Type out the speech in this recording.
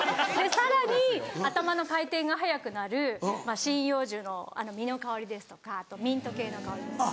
さらに頭の回転が速くなる針葉樹の実の香りですとかあとミント系の香りですとか。